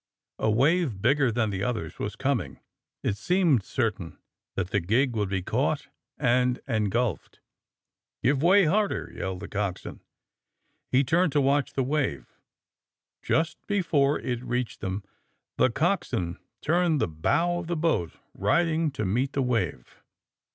A wave bigger than the others was coming. It seemed certain that the gig would be caught and engulfed. '* Give way harder !'' yelled the coxswain. He turned to watch the wave. Just before it reached them the coxswain turned the bow of the 124 THE SUBMARINE BOYS boat, riding to meet tlie wave.